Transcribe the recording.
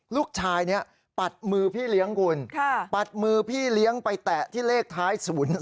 ลูกชายนี้ปัดมือพี่เลี้ยงคุณปัดมือพี่เลี้ยงไปแตะที่เลขท้าย๐๒